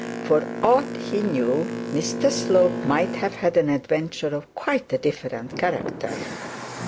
For aught he knew, Mr Slope might have had an adventure of quite a different character.